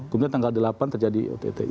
kemudian tanggal delapan terjadi ott